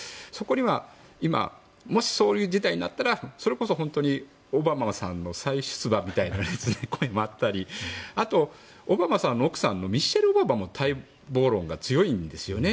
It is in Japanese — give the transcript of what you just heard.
今もしそういう事態になったらそれこそオバマさんの再出馬みたいな声もあったりあと、オバマさんの奥さんもミシェル・オバマの待望論が強いんですよね。